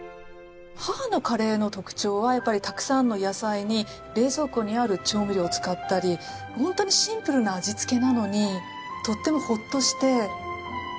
母のカレーの特徴はたくさんの野菜に冷蔵庫にある調味料を使ったりホントにシンプルな味付けなのにとってもホッとして。